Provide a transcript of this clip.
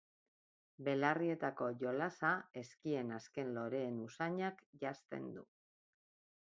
Belarrietako jolasa ezkien azken loreen usainak janzten du.